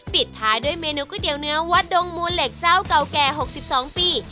ปิดท้ายด้วยเมนูก๋วยเตี๋ยวเนื้อวัดดงมูลเหล็กเจ้าเก่าแก่๖๒ปี